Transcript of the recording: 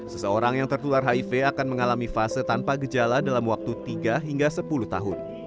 seseorang yang tertular hiv akan mengalami fase tanpa gejala dalam waktu tiga hingga sepuluh tahun